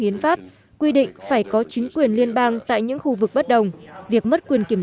hiến pháp quy định phải có chính quyền liên bang tại những khu vực bất đồng việc mất quyền kiểm